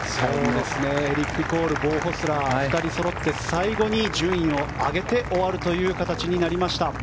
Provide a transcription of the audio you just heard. エリック・コールボウ・ホスラー２人そろって最後を順位を上げて終わるという形になりました。